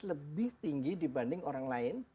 lebih tinggi dibanding orang lain